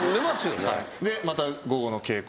でまた午後の稽古をして。